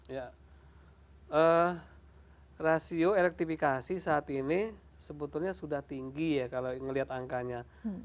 ya rasio elektrifikasi saat ini sebetulnya sudah tinggi ya kalau melihat angkanya sembilan puluh sembilan enam puluh tujuh